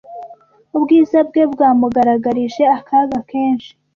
Ubwiza bwe bwamugaragarije akaga kenshi.